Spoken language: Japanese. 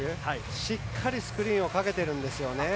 しっかりスクリーンかけてるんですよね。